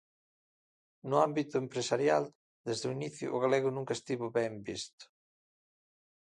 No ámbito empresarial, desde o inicio, o galego nunca estivo ben visto.